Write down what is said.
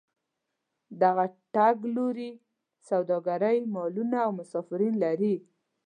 دغه تګ لوري سوداګرۍ مالونه او مسافرین لري.